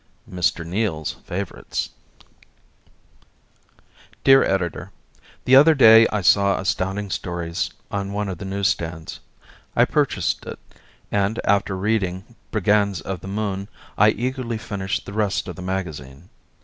Mr. Neal's Favorites Dear Editor: The other day I saw Astounding Stories on one of the newsstands. I purchased it, and after reading "Brigands of the Moon", I eagerly finished the rest of the magazine.